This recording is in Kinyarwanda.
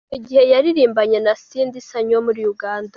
Icyo gihe yaririmbanye na Cindy Sanyu wo muri Uganda.